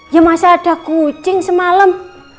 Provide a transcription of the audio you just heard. ya masih ada kucing semalam